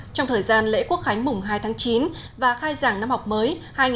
trong thời gian lễ quốc khánh mùng hai tháng chín và khai giảng năm học mới hai nghìn hai mươi hai nghìn hai mươi